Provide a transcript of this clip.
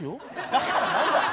だから何だ。